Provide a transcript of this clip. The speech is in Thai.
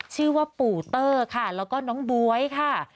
ชื่อว่าปู่เตอร์ค่ะแล้วก็น้องบ๊วยค่ะ